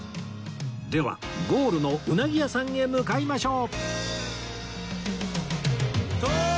ではゴールのうなぎ屋さんへ向かいましょう！